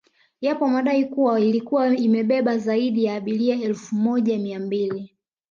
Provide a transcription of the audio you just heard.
Yapo madai kuwa ilikuwa imebeba zaidi ya abiria elfu moja mia mbili